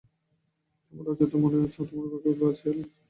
তোমার অবচেতন মনে আছে তোমার বাবাকে বাঁচিয়ে তোলবার আকাষ্ঠীক্ষা।